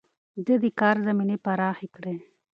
ده د کار زمينې پراخې کړې.